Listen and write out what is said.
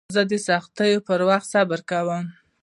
زه د سختیو پر وخت صبر کوم.